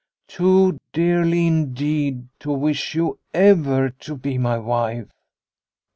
too dearly indeed ! to wish you ever to be my wife."